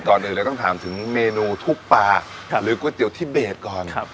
ก่อนอื่นเราต้องถามถึงเมนูทุบปลาหรือก๋วยเตี๋ยวที่เบสก่อน